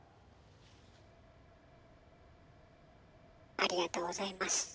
ありがとうございます。